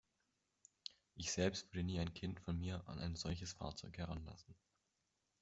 Ich selbst würde nie ein Kind von mir an ein solches Fahrzeug heranlassen.